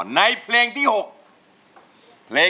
ในเพลงนี้ครับ